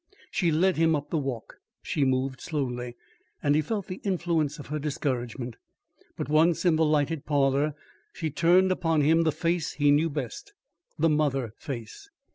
She led him up the walk. She moved slowly, and he felt the influence of her discouragement. But once in the lighted parlour, she turned upon him the face he knew best the mother face.